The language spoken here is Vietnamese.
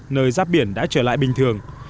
nơi giáp biển đã trở lại bình thường